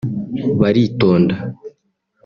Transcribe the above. baritonda